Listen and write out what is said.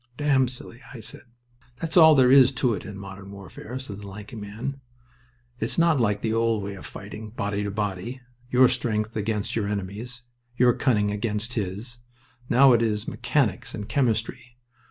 "Damn silly," I said. "That's all there is to it in modern warfare," said the lanky man. "It's not like the old way of fighting, body to body. Your strength against your enemy's, your cunning against his. Now it is mechanics and chemistry.